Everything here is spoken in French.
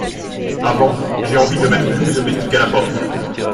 Avant, j’ai envie de mettre tous mes domestiques à la porte !…